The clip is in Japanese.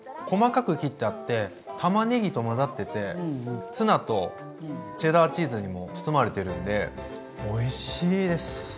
細かく切ってあってたまねぎと混ざっててツナとチェダーチーズにも包まれてるんでおいしいです。